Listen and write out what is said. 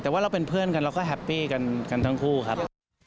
แต่ว่าเราเป็นเพื่อนกันเราก็แฮปปี้กันทั้งคู่ครับ